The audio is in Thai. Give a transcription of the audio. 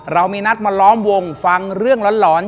เรามีนัดมาล้อมวงฟังเรื่องหลอน